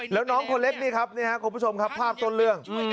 แล้วน้องคนเล็กนี่ครับนี่ครับคุณผู้ชมครับภาพต้นเรื่อง